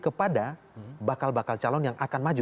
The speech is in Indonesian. kepada bakal bakal calon yang akan maju